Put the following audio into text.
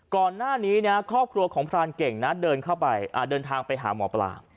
ก่อนหน้านี้เนี่ยครอบครัวของพรานเก่งนะเดินทางไปหาหมอปลา